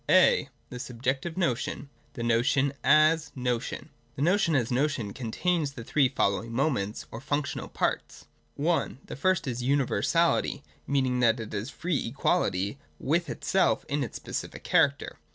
A. — The Subjective Notion. (a) The Notion as Notion. 163.] The Notion as Notion contains the three fol lowing ' moments ' or functional parts, (i) The first is Universality — meaning that it is in free equality with itself in its specific character.